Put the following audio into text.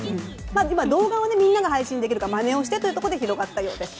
動画はみんなで配信できるからまねをしてというところで広がったということです。